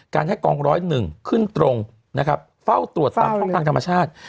การให้กอง๑๐๑ขึ้นตรงนะครับเฝ้าตรวจต่างธรรมชาติ